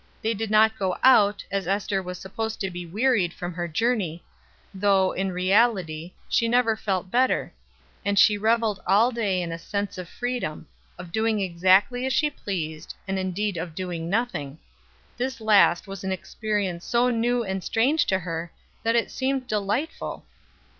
They did not go out, as Ester was supposed to be wearied from her journey, though, in reality, she never felt better; and she reveled all day in a sense of freedom of doing exactly what she pleased, and indeed of doing nothing; this last was an experience so new and strange to her, that it seemed delightful.